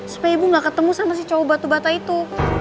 supaya ibu nggak ketemu sama si cowok batu bata itu